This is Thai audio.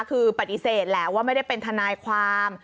คือปฏิเสธแหละว่าไม่ได้เป็นทนายความ